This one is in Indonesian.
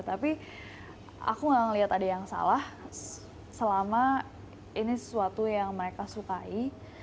tapi aku gak ngeliat ada yang salah selama ini sesuatu yang mereka sukai